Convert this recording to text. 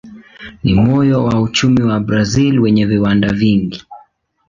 Ni moyo wa uchumi wa Brazil wenye viwanda vingi.